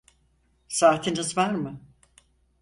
Saatiniz var mı?